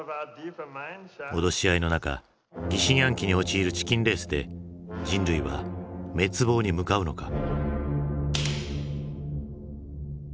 脅し合いの中疑心暗鬼に陥るチキンレースで人類は滅亡に向かうのか？